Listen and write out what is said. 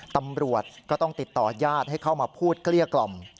ตำรวจก็ต้องติดต่อญาติให้เข้ามาพูดเกลี้ยกล่อม